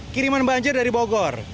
kiriman banjir dari bogor